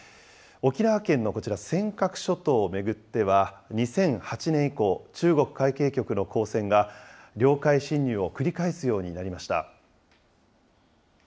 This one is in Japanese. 沖縄県のこちら、尖閣諸島を巡っては、２００８年以降、中国海警局の公船が領海侵入を繰り返すようになりました。